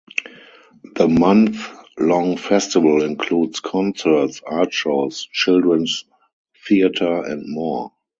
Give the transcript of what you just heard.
The month-long festival includes concerts, art shows, children's theatre, and more.